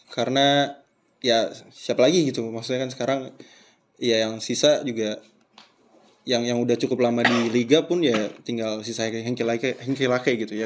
karena ya siapa lagi gitu maksudnya kan sekarang ya yang sisa juga yang udah cukup lama di liga pun ya tinggal sisa henky lakai gitu ya